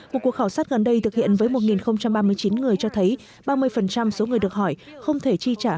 một cuộc khảo sát gần đây thực hiện với một ba mươi chín người cho thấy ba mươi số người được hỏi không thể chi trả